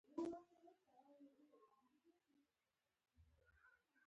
د هرات باغونه زعفران لري.